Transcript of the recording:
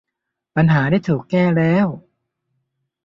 ปัญหาได้ถูกแก้แล้ว